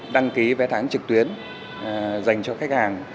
đăng ký vé tháng trực tuyến dành cho khách hàng